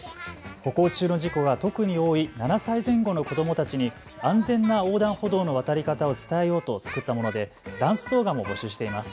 歩行中の事故が特に多い７歳前後の子どもたちに安全な横断歩道の渡り方を伝えようと作ったものでダンス動画も募集しています。